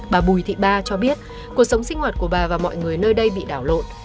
bà bùi thị ba cho biết cuộc sống sinh hoạt của bà và mọi người nơi đây bị đảo lộn